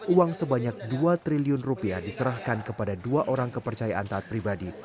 uang sebanyak dua triliun rupiah diserahkan kepada dua orang kepercayaan taat pribadi